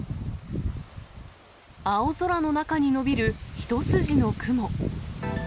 青空の中に延びる一筋の雲。